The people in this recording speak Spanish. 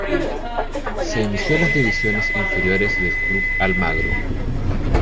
Se inició en las divisiones inferiores del Club Almagro.